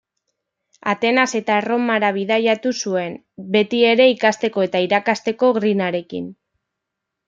Atenas eta Erromara bidaiatu zuen, betiere ikasteko eta irakasteko grinarekin.